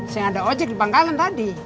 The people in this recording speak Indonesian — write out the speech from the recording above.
senggak ada ojek di pangkalan tadi